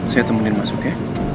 saya temenin masuk ya